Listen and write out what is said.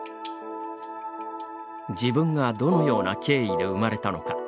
自分がどのような経緯で生まれたのか。